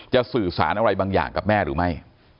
สื่อสารอะไรบางอย่างกับแม่หรือไม่